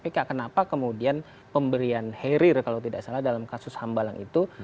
karena dia sudah mencoba kemudian pemberian herir kalau tidak salah dalam kasus hambalang itu